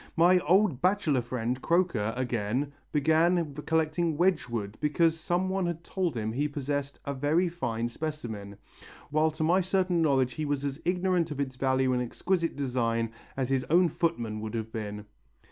My old bachelor friend Croker, again, began collecting Wedgwood because some one had told him he possessed a very fine specimen; while to my certain knowledge he was as ignorant of its value and exquisite design as his own footman could have been."